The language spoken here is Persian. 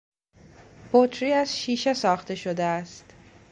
بطری از شیشه ساخته شده است.